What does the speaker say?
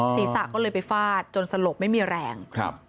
ศีรษะก็เลยไปฟาดจนสลบไม่มีแรง